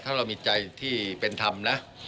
ถ้าเรามีใจที่เป็นธรรมนะ